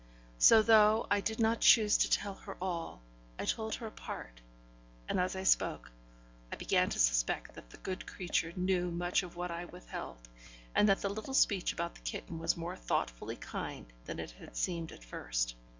So, though I did not choose to tell her all, I told her a part; and as I spoke, I began to suspect that the good creature knew much of what I withheld, and that the little speech about the kitten was more thoughtfully kind than it had seemed at first.